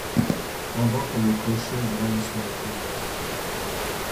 Pendant que nos cochers dorment sur nos carrosses ;